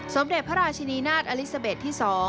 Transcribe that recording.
สมเด็จพระราชินีนาฏอลิซาเบสที่๒